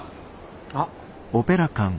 あっ。